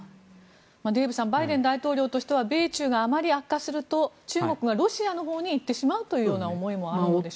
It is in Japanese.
デーブさんバイデン大統領としては米中があまり悪化すると中国がロシアのほうに行ってしまうという思いもあるんでしょうか。